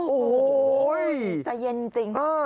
โอ้โหใจเย็นจริง